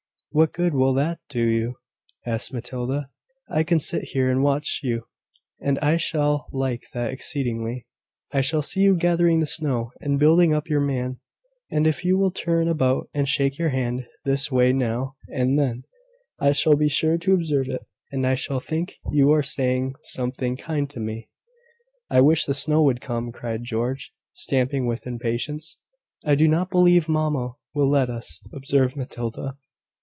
"What good will that do you?" asked Matilda. "I can sit here and watch you; and I shall like that exceedingly. I shall see you gathering the snow, and building up your man: and if you will turn about and shake your hand this way now and then, I shall be sure to observe it, and I shall think you are saying something kind to me." "I wish the snow would come," cried George, stamping with impatience. "I do not believe mamma will let us," observed Matilda.